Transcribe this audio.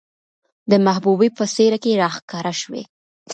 د محبوبې په څېره کې راښکاره شوې،